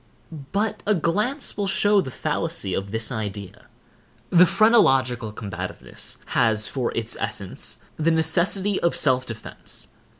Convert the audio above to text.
But a glance will show the fallacy of this idea. The phrenological combativeness has for its essence, the necessity of self defence.